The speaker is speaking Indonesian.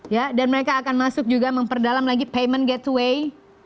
ya dan mereka akan masuk juga memperdalam lagi payment gateway